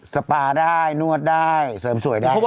สปาได้นวดได้เสริมสวยได้